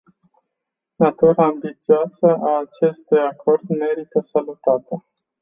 Natura ambițioasă a acestui acord merită salutată.